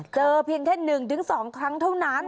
เจอเพียงแค่หนึ่งถึงสองครั้งเท่านั้น